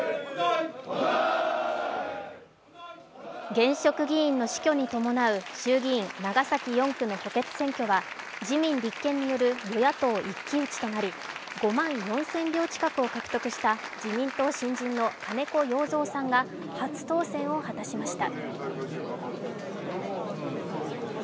現職議員の死去に伴う衆議院長崎４区の補欠選挙は自民・立憲による与野党一騎打ちとなり５万４０００票近くを獲得した自民党新人の金子容三さんが初当選を果たしました。